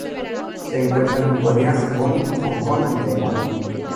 Se encuentran en Corea, Japón, Hong Kong y Taiwán.